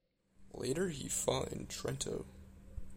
Later he fought in Trento.